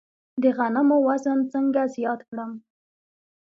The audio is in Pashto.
د غنمو وزن څنګه زیات کړم؟